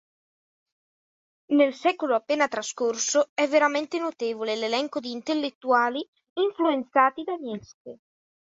Nel secolo appena trascorso, è veramente notevole l'elenco di intellettuali influenzati da Nietzsche.